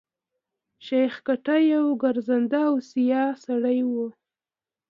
شېخ کټه يو ګرځنده او سیاح سړی وو.